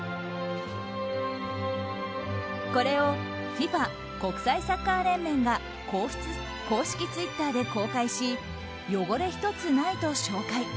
これをＦＩＦＡ・国際サッカー連盟が公式ツイッターで公開し汚れ１つないと紹介。